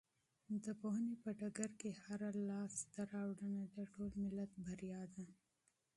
د پوهنې په ډګر کې هره لاسته راوړنه د ټول ملت بریا ده.